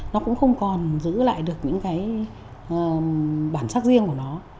nó cũng không còn giữ lại được những cái bản sắc riêng của nó